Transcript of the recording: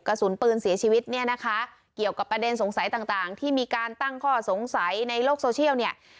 กระสุนปืนเสียชีวิตเนี่ยนะคะเกี่ยวกับประเด็นสงสัยต่างต่างที่มีการตั้งข้อสงสัยในโลกโซเชียลเนี่ย